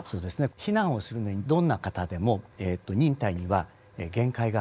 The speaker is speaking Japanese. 避難をするのにどんな方でも忍耐には限界がある訳ですよね。